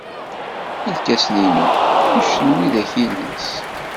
Irkasen-inu anect n widak-nnes.